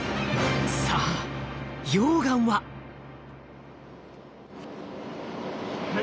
さあ溶岩は？